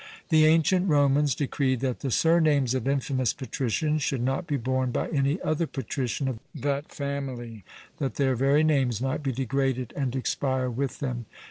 The ancient Romans decreed that the surnames of infamous patricians should not be borne by any other patrician of that family, that their very names might be degraded and expire with them.